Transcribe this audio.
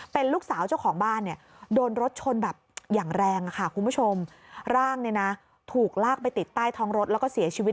เป็นลูกสาวเจ้าของบ้านเนี่ย